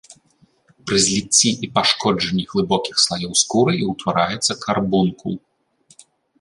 Пры зліцці і пашкоджанні глыбокіх слаёў скуры і ўтвараецца карбункул.